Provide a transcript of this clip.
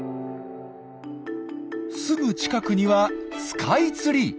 すぐ近くにはスカイツリー。